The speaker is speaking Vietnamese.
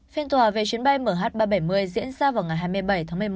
phiên tòa về chuyến bay mh ba trăm bảy mươi diễn ra vào ngày hai mươi bảy tháng một mươi một